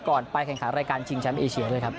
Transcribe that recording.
ไปแข่งขันรายการชิงแชมป์เอเชียด้วยครับ